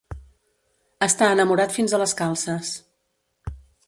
Estar enamorat fins a les calces.